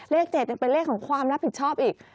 เลข๗ยังเป็นเลขของความรับผิดชอบอีก